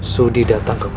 sudi datang ke kubuku